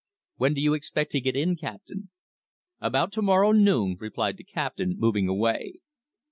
"When do you expect to get in, Captain?" "About to morrow noon," replied the captain, moving away.